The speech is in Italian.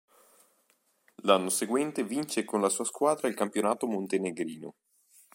L'anno seguente vince con la sua squadra il campionato montenegrino.